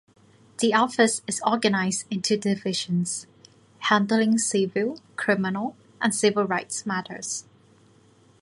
The Office is organized into divisions handling civil, criminal, and civil rights matters.